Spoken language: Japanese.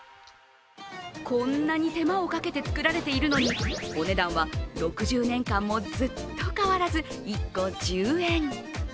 こんなに手間をかけて作られているのに、お値段は６０年間もずっと変わらず、１個１０円。